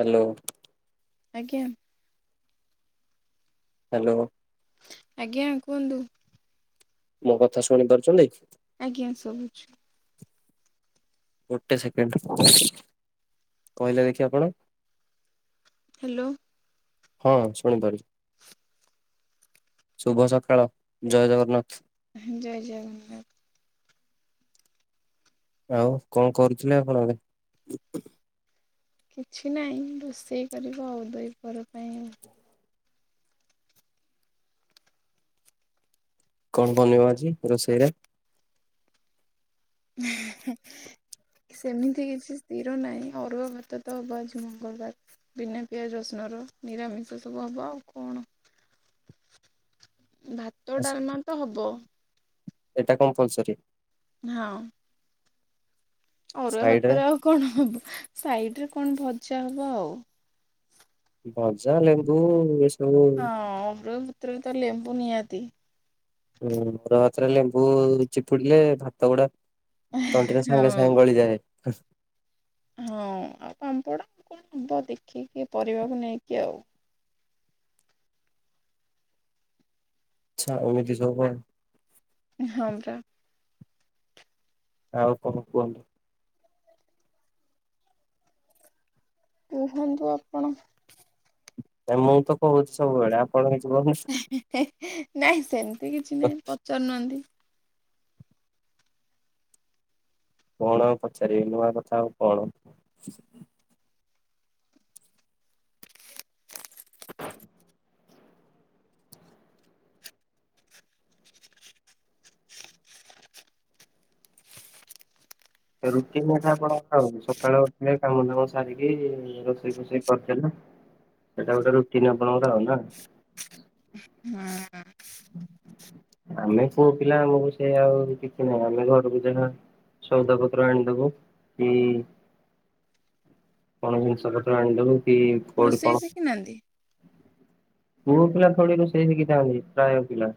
Hello. ଆଜ୍ଞା। Hello. ଆଜ୍ଞା କୁହନ୍ତୁ। ମୋ କଥା ଶୁଣି ପାରୁଚନ୍ତି? ଆଜ୍ଞା ସବୁଚି। ଗୋଟେ ସେକେଣ୍ଡ କହିଲେ ଦେଖି ଆପଣ। ହ୍ୟାଲୋ। ହଁ ଶୁଣିପାରୁଚି। ଶୁଭ ସକାଳ ଜୟ ଜଗନ୍ନାଥ। ଜୟ ଜଗନ୍ନାଥ। ଆଉ କଣ କରୁଥିଲେ ଆପଣ [unintelligible] କିଛି ନାହିଁ ରୋଷେଇ କରିବ ଆଉ ଦହି ପର ପାଇଁ ଆଉ। କଣ ବନେଇବ ଆଜି ରୋଷେଇରେ। ହ ସେମିତି କିଛି ସ୍ଥିର ନାହିଁ ଅରୁଆ ଭାତ ତ ହବ ଆଜି ମଙ୍ଗଳବାର। ବିନା ପିଆଜ ରସୁଣର ନିରାମିଷ ସବୁ ହେବ ଆଉ କଣ? ଭାତ ଡାଲମା ତ ହବ। ଏଇଟା କମ୍ପଲସରୀ। ହଁ। ଅରୁଆ ସାଇଡ ରେ ଭାତରେ ଆଉ କଣ ହବ ସାଇଡ ରେ କଣ ଭଜା ହବ ଆଉ। ଭଜା, ଲେମ୍ବୁ ଏ ହଁ [unintelligible] ତ ଲେମ୍ବୁ ନିହାତି। ହୁଁ ଅରୁଆ ଭାତରେ ଲେମ୍ବୁ ଚିପୁଡିଲେ ଭାତ ଗୁଡା ତଣ୍ଟିରେ ସାଙ୍ଗେ ହଁ ସାଙ୍ଗେ ଗଳିଯାଏ। ହଁ ଆଉ ପାମ୍ପଡ଼ା କଣ ହବ ଦେଖିକି ପରିବାକୁ ନେଇକି ଆଉ। ଆଚ୍ଛା ଏମିତି ସବୁ ଆଉ। ହଁ ପରା। ଆଉ କଣ କୁହନ୍ତୁ? କୁହନ୍ତୁ ଆପଣ। ଏ ମୁଁ ତ କହୁଛି ସବୁବେଳେ ଆ [unintelligible] ନାଇଁ ସେମିତି କିଛି ନାହିଁ ପଚାରୁନାହାନ୍ତି। କଣ ଆଉ ପଚାରିବି ନୂଆ କଥା ଆଉ କଣ। ରୁଟିନ୍ ଏଟା ଆପଣ ଖାଉ ସକାଳୁ ଉଠିଲେ କାମ ଦାମ ସାରିକି ରୋଷେଇ ଫୋଷେଇ କରିଦେଲ ସେଇଟା ଗୋଟେ ରୁଟିନ ଆପଣଙ୍କର ଆଉ ନା। ହୁଁ। ଆମେ ପୁଅ ପିଲା ଆମକୁ ସେ ଆଉ କିଛି ନାହିଁ ଆମେ ଘରକୁ ଯାହା ସଉଦା ପତ୍ର ଆଣିଦବୁ କି କଣ ଜିନିଷ ପତ୍ର ଆଣିଦବୁ। କି କୋଉଠି ରୋଷେଇ କଣ ଶିଖିନାହାନ୍ତି? ପୁଅ ପିଲା ଥୋଡି ରୋଷେଇ ଶଖିଥାନ୍ତି ପ୍ରାୟ ପିଲା।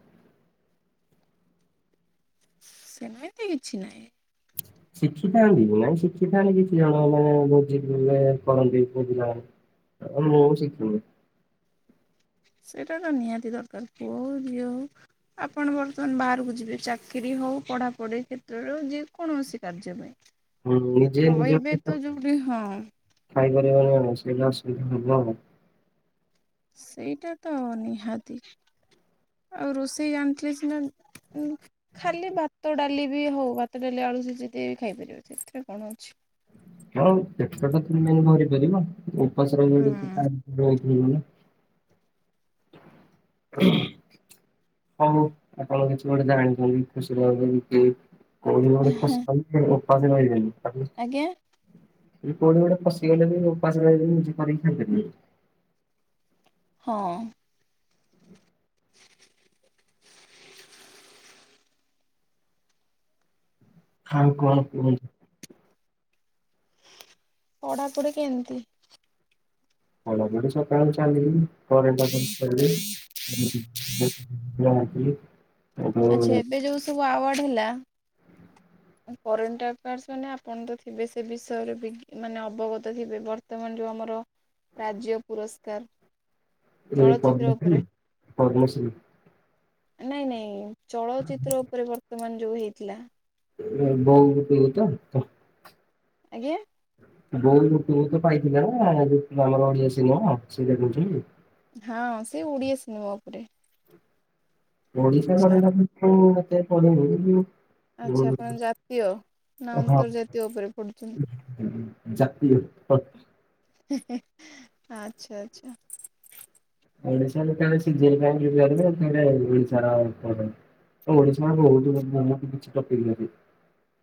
ସେମିତି କିଛି ନାହିଁ। [inaudible] ଶିଖିଥାନ୍ତି ନାଇଁ ଶିଖିଥାନ୍ତି କିଛି ଜଣ ମାନେ ଭୋଜି ଥିଲେ କରନ୍ତି ପୁଅ ପିଲା ମାନେ। ମୁଁ ଶିଖିନି। ସେଇଟା ତ ନିହାତି ଦରକାର ପୁଅ ହଉ ଝିଅ ହଉ ଆପଣ ବର୍ତ୍ତମାନ ବାହାରକୁ ଯିବେ ଚାକିରୀ ହଉ ପଢାପଢି କ୍ଷେତ୍ରରେ ଯେକୌଣସି କାର୍ଯ୍ୟ ନିଜେ ପାଇଁ ରହିବେ ତ ଯୋଉଠି ହଁ। ଖାଇପାରିବାର ଆଉ ସେଇଟା ଅସୁବିଧା ହବ ଆଉ। ସେଇଟା ତ ନିହାତି। ଆଉ ରୋଷେଇ ଜାଣିଥିଲେ ସିନା ଉଁ ଖାଲି ଭାତ ଡାଲି ବି ହଉ ଭାତ ଡାଲି ଆଳୁ ସିଝେଇ ଦେଇ ଖାଇପାରିବେ ସେଥିରେ କଣ ଅଛି। ହଁ ପେଟ ଟା ତ ମେନ୍ ଭରି ପାରିବ ଉପାସ [unintelligible] ହୁଁ। ବହୁତ ହେଇଗଲା ହଉ ଆପଣ କିଛି ଗୋଟେ ଜାଣିଛନ୍ତି ଖୁସି [unintelligible] ଗୋଟ ଖୁସି [unintelligible] ଆଜ୍ଞା। କୋଉଠି ଗୋଟେ ଫଶିଗଲେ ବି ଉପାସ ରହିବେନି ନିଜେ କରିକି ଖାଇ ପାରିବେ। ହଁ। [inaudible] ଆଉ କଣ କୁହନ୍ତୁ? ପଢାପଢି କେମତି? ପଢ଼ାପଢି ସକାଳୁ ଚାଲିଚି। [inaudible] ଆଚ୍ଛା ଏବେ ଯୋଉ ସବୁ ଆୱାର୍ଡ ହେଲା। କରେଣ୍ଟ ଆଫେୟାର୍ସ ମାନେ ଆପଣ ତ ଥିବେ ସେ ବିଷୟରେ ଅବଗତ ଥିବେ। ବର୍ତ୍ତମାନ ଯଉ ଆମର ରାଜ୍ୟ ପୁରସ୍କାର। ଏ ଚଳଚିତ୍ର ଉପରେ ପଦ୍ମଶ୍ରୀ ପଦ୍ମଶ୍ରୀ। ନାଇଁ ନାଇଁ ଚଳଚିତ୍ର ଉପରେ ବର୍ତ୍ତମାନ ଯୋଉ ହେଇଥିଲା। [inaudible] ଆଜ୍ଞା। ବୋଉ ବୁଟୁ ଭୂତ ପାଇଥିଲା ନା ଆମର ଓଡିଆ ସିନେମା ସେଇଟା କହୁଛନ୍ତି। ହଁ ସେ ଓଡିଆ ସିନେମା ଉପରେ। ଓଡ଼ିଶା ଆଚ୍ଛା ଆଚ୍ଛା ଆପଣ ଜାତୀୟ ନା ଅନ୍ତର୍ଜାତୀୟ ଉପରେ ପଢୁଛନ୍ତି [unintelligible] [inaudible] ଜାତି ଆଚ୍ଛା ଆଚ୍ଛା। ଓଡ଼ିଶା ଯେତେବେଳେ [unintelligible] ଓଡ଼ିଶାରେ ବହୁତ [unintelligible] କିଛି ଟପିକ୍ ଦେଇଦେବି।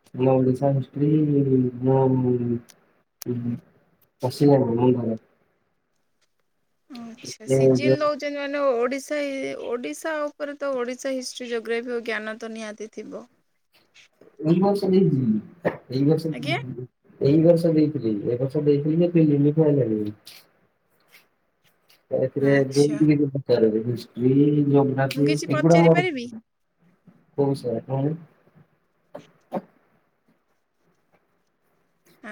[unintelligible] [unintelligible] ଆଚ୍ଛା ଏ ସିଜିଲ ଏଇ ଦଉ ଯେ ମାନେ ଓଡ଼ିଶା ଓଡ଼ିଶା ଉପରେ ତ ଓଡ଼ିଶା ହିଷ୍ଟ୍ରି ଜୋଗ୍ରାଫି ର ଜ୍ଞାନ ତ ନିହାତି ଥିବ। କୋଉ ବର୍ଷ ନେଇଚି କି ଏଇ ବର୍ଷ ଆଜ୍ଞା ନେ ଏଇ ବର୍ଷ ଦେଇଥିଲି ଏ ବର୍ଷ ଦେଇଥିଲି ଯେ କିଛି ଲିମିକ୍ ଆଇଲାନି। ଏଥିରେ ଯୋଉ ଆଚ୍ଛା ଇଏ ରେ ପଚାର ହିଷ୍ଟ୍ରି ମୁଁ ଯୋଗ୍ରାଫି କିଛି ଏଗୁଡା ପଚାରି ମୋର ପାରିବି? କୋଉ ବିଷୟରେ କହୁନୁ [unintelligible]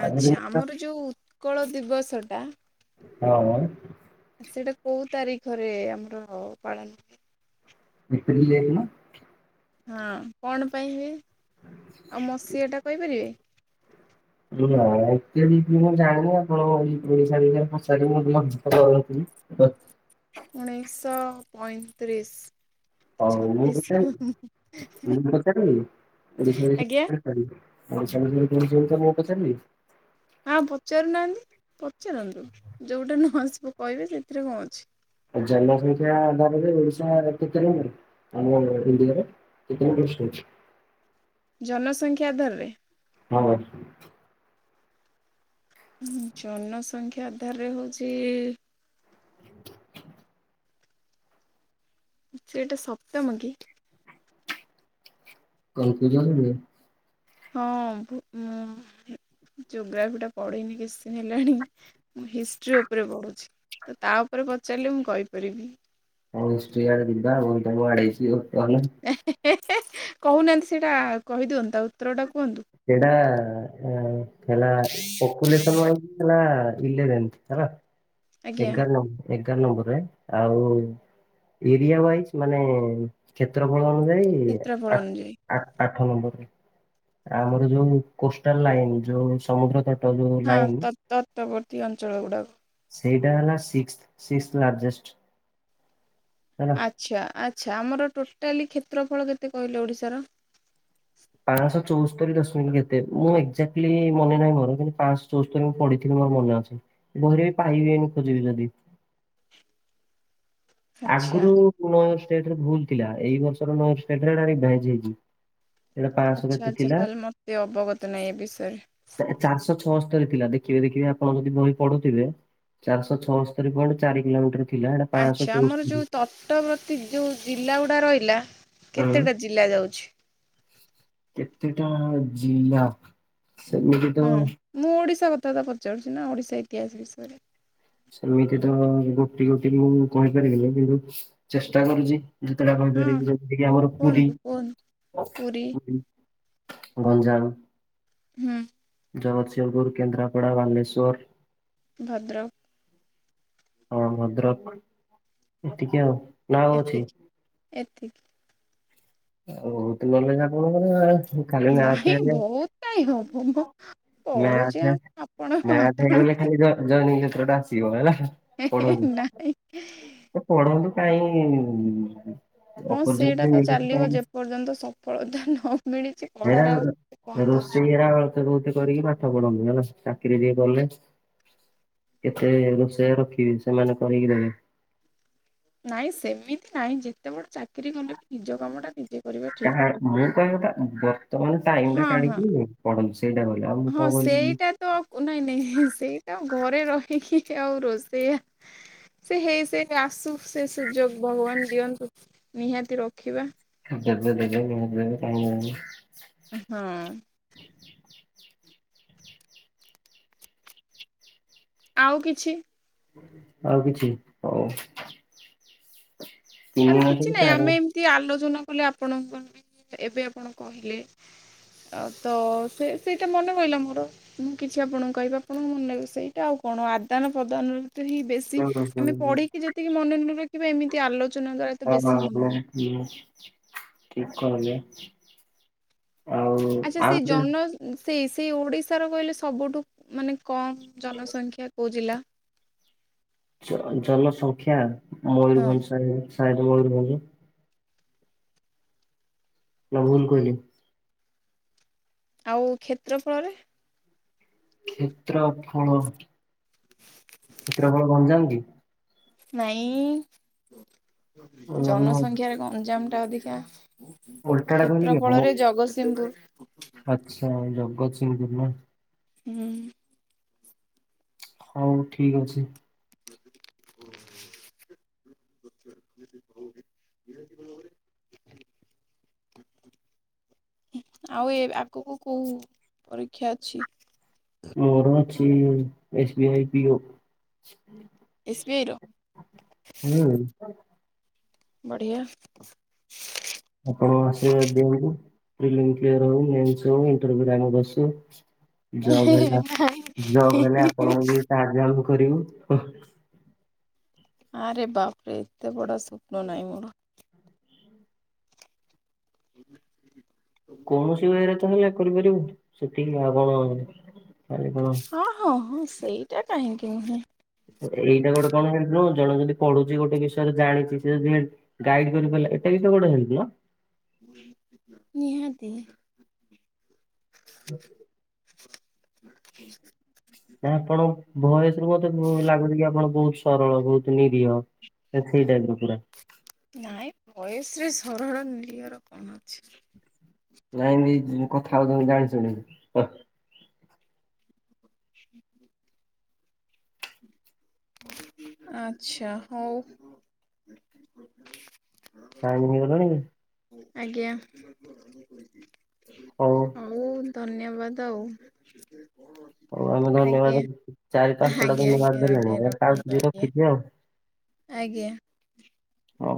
ଆଚ୍ଛା ଆମର ଯେଉଁ ଉତ୍କଳ ଦିବସଟା ହଁ ମ। ସେଇଟା କୋଉ ତାରିଖରେ ଆମର ପାଳନ ହୁଏ। ଏପ୍ରିଲ ଏକ ନା। ହଁ କଣ ପାଇ ହୁଏ ଆଉ ମସିଆଟା କହିପାରିବେ। ନା ଏତେ ମୁଁ ଜାଣିନି ଆପଣ ଓଡ଼ିଶା ବିଷୟରେ ପଚାରିଲେ [inaudible] ବସ୍ [unintelligible] ଉଣେଇଶହ ପଇଁତିରିଶ। ହଉ ମୁଁ ଛତିଶ ପଚାରିବି ମୁଁ ପଚାରିବି ଏ ଆଜ୍ଞା ବିଷୟରେ। ପଇସା ନବୁ ତୁ ସେ କଥା ମୁଁ ପଚାରିବି। ହଁ ପଚାରୁନାହାନ୍ତି ପଚାରନ୍ତୁ ଯେଉଁଟା ନ ଆସିବ କହିବେ ସେଥିରେ କଣ ଅଛି। ଜନସଂଖ୍ୟା ଆଧାରରେ ଓଡିଶା କେତେ ନମ୍ୱର? ଆମ ଇଣ୍ଡିଆରେ କେତଟି ଡିଷ୍ଟି ଅଛି? ଜନସଂଖ୍ୟା ଆଧାରରେ ହଁ। ଜନସଂଖ୍ୟା ଆଧାରରେ ହେଉଛି ଇ ସେଇଟା ସପ୍ତମକି? କନଫ୍ୟୁଜନ ମୁଁ। ହଁ ମୁଁ ଜୋଗ୍ରାଫି ଟା ପଢେଇନି କିଛି ଦିନ ହେଲାଣି। ମୁଁ ହିଷ୍ଟ୍ରି ଉପରେ ପଢ଼ୁଛି ତ ତା ଉପରେ ପଚାରିଲେ ମୁଁ କହିପାରିବି। ହଉ ହିଷ୍ଟ୍ରି ଆଡ଼େ ଯିବା ଆଉ ମୁଁ ଆଡ଼େଇଛି [unintelligible] କହୁନାହାନ୍ତି ସେଇଟା କହିଦିଅନ୍ତୁ ତା ଉତ୍ତରଟା କୁହନ୍ତୁ। ସେଇଟା ଆଁ ଥିଲା ପପୁଲେସନ ୱାଇଜ ଥିଲା। ଇଲେବେନ୍ଥ ହେଲା ଆଜ୍ଞା ଏଗାର ନମ୍ବ ଏଗାର ନମ୍ବର ରେ ଆଉ ଏରିଆ ୱାଇଜ ମାନେ କ୍ଷେତ୍ର ଫଳ ଅନୁଯାୟୀ କ୍ଷେତ୍ରଫଳ ଆ- ଅନୁଯାୟୀ ଆ-ଆଠ ନମ୍ବର ରେ। ଆମର ଯୋଉ କୋଷ୍ଟାଲ ଲାଇନ ଯୋଉ ସମୁଦ୍ର ତଟ ଯୋଉ ହଁ ଲାଇନ ତ ତତବର୍ତ୍ତୀ ଅଞ୍ଚଳ ଗୁଡ଼ାକ। ସେଇଟା ହେଲା ସିକ୍ସଥ୍ ସିକ୍ସଥ୍ ଲାର୍ଜେଷ୍ଟ। ଆଚ୍ଛା ଆଚ୍ଛା ଆମର ଟୋଟାଲି କ୍ଷେତ୍ରଫଳ କେତେ କହିଲେ ଓଡ଼ିଶାର? ପାଁଶହ ଚଉସ୍ତରି ଦଶମିକ କେତେ ମୁଁ ଏକ୍ଜାକ୍ଟଲି ମନେ ନାହିଁ ମୋର କିନ୍ତୁ ପାଁଶହ ଚୋଉଷ୍ତୋରି ମୁଁ ପଢ଼ିଥିଲି ମୋର ମନେ ଅଛି ବହିରେ ବି ପାଇବି ଏଇନେ ଖୋଜିବି ଯଦି। ଆଚ୍ଛା ଆଗରୁ ପୁରୁଣା ଷ୍ଟେଟରେ ଭୁଲ ଥିଲା ଏଇ ବର୍ଷର ନୂଆ ଷ୍ଟେଟ ହେଟା ରିଭାଇଜ ହେଇଛି। ଏଇଟା ପାଞ୍ଚଶହ ଆଚ୍ଛା କେତେ ଆଚ୍ଛା ଥିଲା ତାହାଲେ ମୋତେ ଅବଗତ ନାହିଁ ଏ ବିଷୟରେ। ଏଁ ଚାରିଶହ ଛଅସ୍ତରୀ ଥିଲା ଦେଖିବେ ଦେଖିବେ ଆପଣ ଯଦି ବହି ପଢ଼ୁଥିବେ। ଚାରିଶହ ଛଅସ୍ତରି ପଏଣ୍ଟ ଚାରି କିଲୋମିଟର ଥିଲା ହେଟା ପାଁଶହ ଆଚ୍ଛା ଆମର ଯୋଉ ତଟବର୍ତ୍ତୀ ଯୋଉ ଜିଲ୍ଲା ଗୁଡ଼ା ରହିଲା କେତେଟା ଜିଲ୍ଲା ଯାଉଛି? କେତେଟା ଜିଲ୍ଲା ସେମିତି ତ ହୁଁ ମୁଁ ଓଡ଼ିଶା କଥାଟା ପଚାରୁଛି ନା ଓଡ଼ିଶା ଇତିହାସ ବିଷୟରେ। ଏମିତି ତ ଗୋଟି ଗୋଟି କି ମୁଁ କହିପାରିବିନି କିନ୍ତୁ ଚେଷ୍ଟା କରୁଛି। ଯେତେଟା ହଁ କହିପାରିବି ଯେମିତି କି ଆମର ପୁରୀ କୁହନ୍ତୁ କୁହନ୍ତୁ ପୁରୀ। ଗଞ୍ଜାମ ହୁଁ। ଜଗତସିଂହପୁର, କେନ୍ଦ୍ରାପଡ଼ା, ବାଲେଶ୍ୱର ଭଦ୍ରକ୍ ହଁ ଭଦ୍ରକ ଏତିକି ଆଉ। ନା ଆଉ ଅଛି ଏତିକି ଏତିକି। ଆଉ [unintelligible] ଖାଲି ମ୍ୟାଥ ନାହିଁ ହେଲେ ବହୁତ କାଇଁ ହବ ମୁଁ ପଢୁଛି ଆ ମ୍ୟାଥ ଆପଣ ମ୍ୟାଥ ଆପଣ ହେଇଗଲେ ଖାଲି ଜ ଜଏନିଂ ଲେଟର ଟା ଆସିବ ହେଲା ପଢ଼ [unintelligible] ନାହିଁ ତ ପଢ଼ନ୍ତୁ କାଇ ହଁ ସେଇଟା ତ ଚାଲିବ ଯେପର୍ଯ୍ୟନ୍ତ ସଫଳତା ନ ମିଳିଚି। ହେରା ରୋ ରୋଷେଇ ହେରା ଅଳ୍ପେ ବୋହୁତ କରିକି ପାଠ ପଢ଼ନ୍ତୁ ହେଲା ଚାକିରି ଟିଏ କଲେ କେତେ ରୋଷେଇ ରଖିବେ ସେମାନେ କରିକି ଦେବେ। ନାଇଁ ସେମିତି ନାଇଁ ଯେତେ ବଡ଼ ଚାକିରି କଲେ ବି ନିଜ କାମଟା [unintelligible] କରିବେ। କାହା ମୁଁ କହିବା କଥା ବର୍ତ୍ତମାନ ଟାଇମ ଟା ହଁ କାଢ଼ି ହଁ କି ପଢ଼ନ୍ତୁ ସେଇଟା କହିଲି ଆଉ ମୁଁ ହଁ କଣ ସେଇଟା ତ କୁ ନାଇଁ ନାଇଁ ସେଇଟା ଘରେ ରହିକି ଆଉ ରୋଷେଇଆ ସେ ହେଇ ସେ ଆସୁ ସେ ସୁଯୋଗ ଭଗବାନ ଦିଅନ୍ତୁ ନିହାତି ରଖିବା। ଦେବେ ଦେବେ [unintelligible] କାହିଁକି ଉଁହ୍ ହଁ। ଆଉ କିଛି? ଆଉ କିଛି ହୋଉ। ଆରେ କିଛି ମାସରୁ ନାହିଁ ଚାରି ଆମେ ଏମିତି ଆଲୋଚନା କଲେ ଆପଣଙ୍କ [inaudible] ଏବେ ଆପଣ କହିଲେ। ଆଉ ତ ସେ ସେଇଟା ମନେ ପହିଲା ମୋର। ମୁଁ କିଛି ଆପଣଙ୍କୁ କହିବି, ଆପଣଙ୍କୁ ମନେ ସେଇଟା ଆଉ କଣ ଆଦାନ ପ୍ରଦାନ ତ ହିଁ ବେଶ ମାସ ହୁଁ ଆମେ ହୁଁ ହୁଁ ପଢିକି ଯେତିକି ମନେ ନ ରଖିବା ଏମିତି ଆଲୋଚନା ଦ୍ଵାରା ତ ବେଶୀ ମନେ ରହିବ। [inaudible] ଆଉ ଆଚ୍ଛା, ସେ ଆଉ ଗୋଟେ ଜନ ସେଇ ସେଇ ଓଡ଼ିଶାର କହିଲେ ସବୁଠୁ ମାନେ କମ ଜନସଂଖ୍ୟା କୋଉ ଜିଲ୍ଲା। ଜନସଂଖ୍ୟା ହଁ ମୟୂରଭଞ୍ଜ [inaudible] ମୟୂରଭଞ୍ଜ। ନା ଭୁଲ କହିଲି। ଆଉ କ୍ଷେତ୍ର ଫଳରେ। କ୍ଷେତ୍ର ଫଳ। କ୍ଷେତ୍ରଫଳ ଗଞ୍ଜାମ କି? ନାଇଁ, ଓ ଆମ ଜନସଂଖ୍ୟାରେ ଗଞ୍ଜାମ ଟା ଅଧିକା। ଓଲଟାଟା କହିଲି କ୍ଷେତ୍ର କି ମୋ ଫଳରେ ଜଗତସିଂହୁପୁର। ଆଚ୍ଛା, ଜଗତସିଂହପୁର ନାଇ। ହୁଁ। ହଉ ଠିକ୍ ଅଛି। [inaudible] [inaudible] [inaudible] ଆଉ ଏ ଆଗକୁ କୋଉ ପରୀକ୍ଷା ଅଛି? ମୋର ଅଛି S B I P O. S B I ର? [inaudible] ବଢିଆ। ଆପଣ ଆସିବେ ଦିଅନ୍ତୁ। ପ୍ରିଲିମ୍ କ୍ଲିୟର ହୋଇ, ମେନ୍ସ ହୋଉ, ଇଣ୍ଟରଭ୍ୟୁରେ ରାୟଙ୍କ ଆସୁ। ଜବ ହେଲା। ଜବ ହେଲେ ଆପଣଙ୍କୁ ବି ସାହାଯ୍ୟ କରିବୁ। ଆରେ ବାପରେ ଏତେ ବଡ ସ୍ୱପ୍ନ ନାହିଁ ମୋର। [inaudible] କୌଣସିରେ [unintelligible] ହଁ- ହଁ -ହଁ ସେଇଟା କାହିଁକି ନୁହେଁ? ଏଇଟା ଗୋଟେ କଣ ନୁହଁ? ଜଣେ ଯଦି ପଢୁଛି ଗୋଟେ ବିଷୟରେ ଜାଣିଛି ସେ ଯଦି ଗାଇଡ କରିପାରିଲା ଏଟା ବି ତ [inaudible] ନିହାତିି। [inaudible] ନା, ଆପଣ ଭୟସରୁ ମତେ ଲାଗୁଛି କି ଆପଣ ବହୁତ ସରଳ ବହୁତ ନିରିହ। ସେଇ ଟାଇପ ର ପୁରା। ନାଇଁ, ଭୟସରେ ସରଳ ନିରୀହ କଣ ଅଛି? ନାଇଁ [unintelligible] କଥା ହଉଛି ଜାଣି ଶୁଣି। [inaudible] ଆଚ୍ଛା, ହଉ। ଟାଇମ ହେଇଗଲାଣି। ଆଜ୍ଞା। ହଉ ଧନ୍ୟବାଦ ଆଉ। ହଉ ଆମେ ଧନ୍ୟବାଦ ଆଜ୍ଞା ଚାରି ପାଞ୍ଚଟା ଆଜ୍ଞା ଧନ୍ୟବାଦ ଆଜ୍ଞା ଦେଲେଣି ଆଜ୍ଞା ଆଉ ଟିକେ ରଖନ୍ତୁ ଆଜ୍ଞା। ରଖିଦିଅ ଆଉ। ଆଜ୍ଞା। ହଉ।